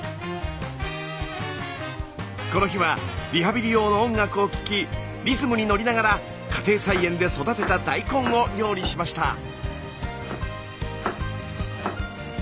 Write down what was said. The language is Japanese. この日はリハビリ用の音楽を聴きリズムに乗りながら家庭菜園で育てた大根を料理しました。